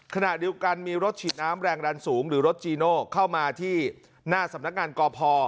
ขณะเดียวกันมีรถฉีดน้ำแรงดันสูงหรือรถจีโน่เข้ามาที่หน้าสำนักงานกพ